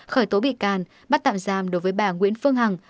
khởi tố bị can bắt tạm giam đối với bà nguyễn phương hằng